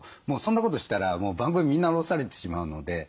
もうそんなことしたら番組みんな降ろされてしまうので。